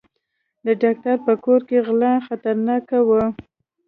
د ډاکټر په کور کې غلا خطرناکه وه.